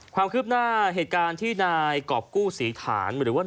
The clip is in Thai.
ความคืบหน้าเหตุการณ์ที่นายกรอบกู้ศรีฐานหรือว่า